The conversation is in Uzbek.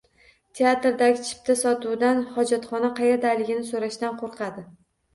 Teatrdagi chipta sotuvchidan xojatxona qayerdaligini so‘rashdan qo‘rqadi.